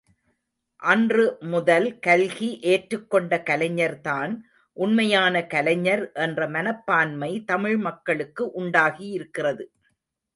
அன்று முதல் கல்கி ஏற்றுக்கொண்ட கலைஞர்தான் உண்மையான கலைஞர் என்ற மனப்பான்மை தமிழ் மக்களுக்கு உண்டாகியிருக்கிறது.